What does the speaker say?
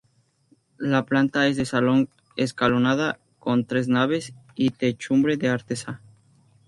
La planta es de salón escalonada, con tres naves y techumbre de artesa.